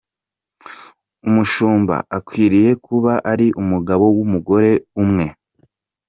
Umushumba akwiriye kuba ari umugabo w’umugore umwe:.